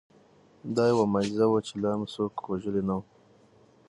دا یوه معجزه وه چې ما لا څوک وژلي نه وو